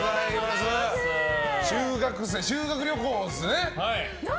中学生、修学旅行ですね。